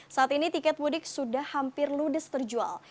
saat ini tiket mudik sudah hampir ludes terjual